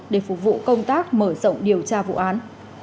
để phục vụ công tác mở rộng điều tra vụ án